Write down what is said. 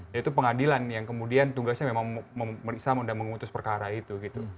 yaitu pengadilan yang kemudian tugasnya memang memeriksa dan mengutus perkara itu gitu